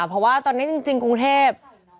เพราะว่าตอนนี้จริงกรุงเทพ